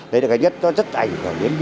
đấy là cái nhất nó rất ảnh hưởng đến